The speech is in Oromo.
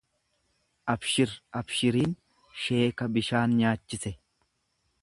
Abshir! Abshiriin! sheeka bishaan nyaachise.